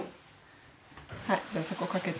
はいじゃあそこかけて。